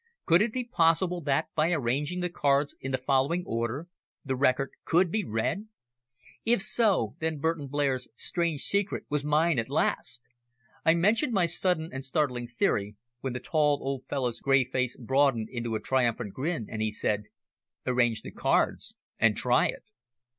Could it be possible that by arranging the cards in the following order the record could be read? If so, then Burton Blair's strange secret was mine at last! I mentioned my sudden and startling theory, when the tall old fellow's grey face broadened into a triumphant grin and he said "Arrange the cards and try it."